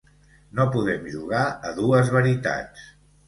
No podem jugar a dues veritats.